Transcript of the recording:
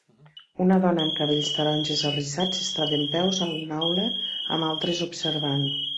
Una dona amb cabells taronges arrissats està dempeus a una aula amb altres observant